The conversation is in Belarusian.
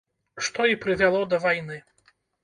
Што і прывяло да вайны.